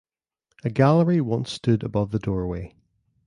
A gallery once stood above the doorway.